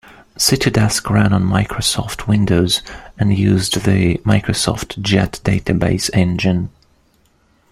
CityDesk ran on Microsoft Windows, and used the Microsoft Jet Database Engine.